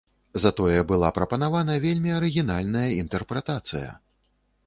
Затое была прапанавана вельмі арыгінальная інтэрпрэтацыя.